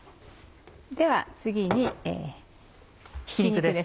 では次にひき肉です。